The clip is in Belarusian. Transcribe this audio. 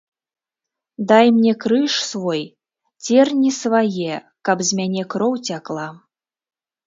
Дай мне крыж свой, церні свае, каб з мяне кроў цякла.